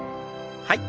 はい。